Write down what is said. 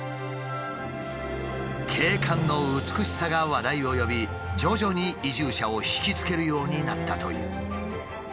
景観の美しさが話題を呼び徐々に移住者を惹きつけるようになったという。